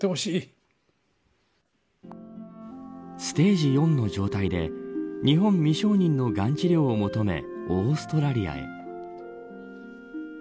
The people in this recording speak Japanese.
ステージ４の状態で日本未承認のがん治療を求めオーストラリアへ。